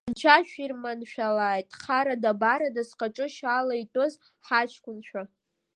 Анцәа шәирманшәалааит харада-барада зхаҿы шьала иҭәыз ҳаҷкәынцәа!